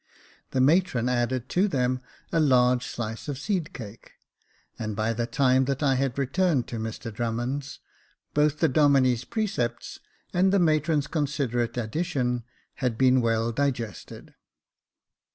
The matron added to them a large slice of seed cake ; and by the time that I had returned to Mr Drummond's, both the Domine's precepts and the matron's considerate addition had been well digested.